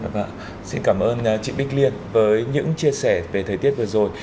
vâng xin cảm ơn chị bích liên với những chia sẻ về thời tiết vừa rồi